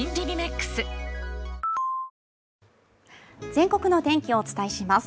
全国の天気をお伝えします。